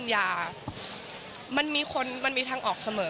มันมีคนมันมีทางออกเสมอ